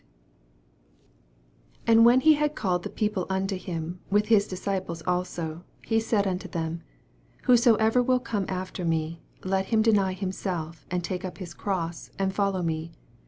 34 And when he had called the people unto Mm with his disciples also, he said unto them, Whosoever will come after me, let him deny him self, and take up his cros?, and follow me.